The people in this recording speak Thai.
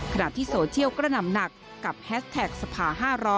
ขณะที่โซเทียวก็นำหนักกับแฮสแท็กสภา๕๐๐